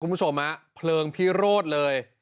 คุณผู้ชมฮะเพลิงพิโรธเลย